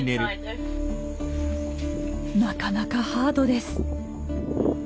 なかなかハードです。